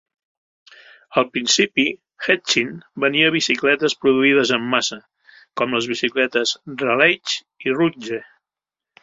Al principi, Hetchin venia bicicletes produïdes en massa, com les bicicletes Raleigh i Rudge.